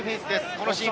このシーン。